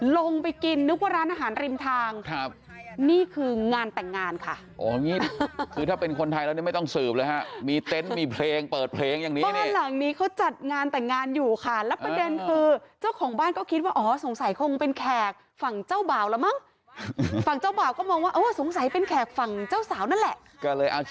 ลงไปกินนึกว่าร้านอาหารริมทางครับนี่คืองานแต่งงานค่ะคือถ้าเป็นคนไทยแล้วเนี่ยไม่ต้องสืบเลยฮะมีเต็นต์มีเพลงเปิดเพลงอย่างนี้เพราะบ้านหลังนี้เขาจัดงานแต่งงานอยู่ค่ะแล้วประเด็นคือเจ้าของบ้านก็คิดว่าอ๋อสงสัยคงเป็นแขกฝั่งเจ้าบ่าวแล้วมั้งฝั่งเจ้าบ่าวก็มองว่าเออสงสัยเป็นแขกฝั่งเจ้าสาวนั่นแหละก็เลยเอา